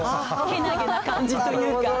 けなげな感じというか。